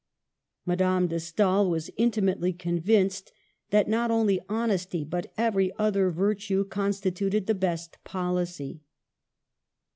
Madame de Stael was intimately convinced that not only honesty, but every other virtue consti tuted the best policy.